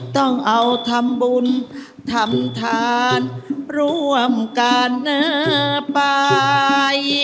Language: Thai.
ต้องเอาทำบุญทำทานร่วมกันนะไป